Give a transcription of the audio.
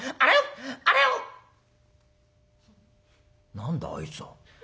「何だあいつは？